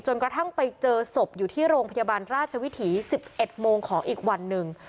กระทั่งไปเจอศพอยู่ที่โรงพยาบาลราชวิถี๑๑โมงของอีกวันหนึ่ง